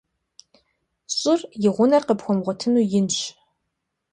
ЩӀыр, и гъунэр къыпхуэмыгъуэтыну, инщ.